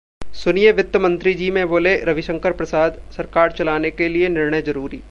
'सुनिये वित्त मंत्रीजी' में बोले रविशंकर प्रसाद, सरकार चलाने के लिए निर्णय जरूरी